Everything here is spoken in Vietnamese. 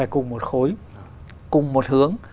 cùng một khối cùng một hướng